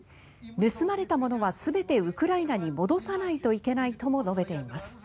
盗まれたものは全てウクライナに戻さないといけないとも述べています。